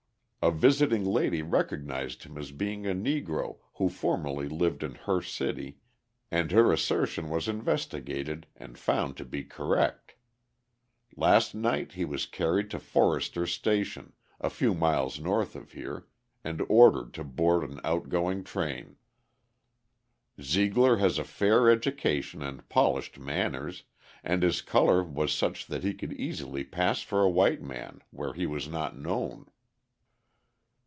A visiting lady recognised him as being a Negro who formerly lived in her city, and her assertion was investigated and found to be correct. Last night he was carried to Forester's Station, a few miles north of here, and ordered to board an outgoing train. Zeigler has a fair education and polished manners, and his colour was such that he could easily pass for a white man where he was not known.